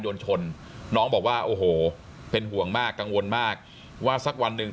โดนชนน้องบอกว่าโอ้โหเป็นห่วงมากกังวลมากว่าสักวันหนึ่ง